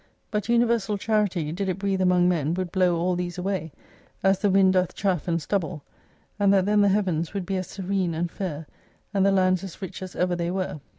But universal charity, did it breathe among men, would blow all these away, as the wind doth chaff and stubble ; and that then the heavens would be as serene and fair, and the lands as rich as ever they were.